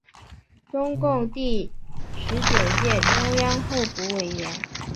中共第十九届中央候补委员。